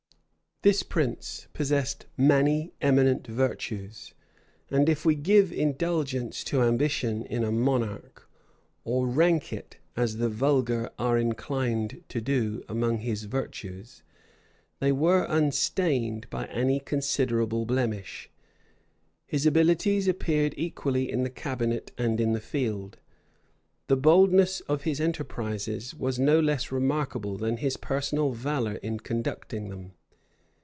This prince possessed many eminent virtues; and if we give indulgence to ambition in a monarch, or rank it, as the vulgar are inclined to do, among his virtues, they were unstained by any considerable blemish. His abilities appeared equally in the cabinet and in the field: the boldness of his enterprises was no less remarkable than his personal valor in conducting them.